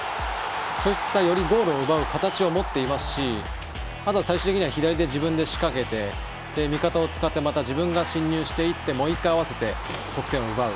そういったよりゴールを奪う形を持っていますしあとは最終的には左で自分で仕掛けて味方を使ってまた自分が進入していってもう１回合わせて得点を。